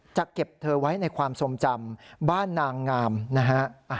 จะเก็บเธอไว้ในความทรงจำบ้านนางงามนะฮะ